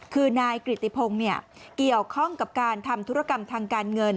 คือนายกริติพงศ์เกี่ยวข้องกับการทำธุรกรรมทางการเงิน